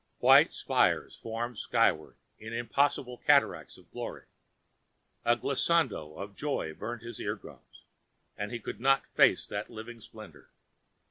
White spires foamed skyward in impossible cataracts of glory. A glissando of joy burned his eardrums, and he could not face that living splendor.